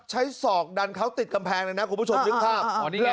ศอกดันเขาติดกำแพงเลยนะคุณผู้ชมนึกภาพ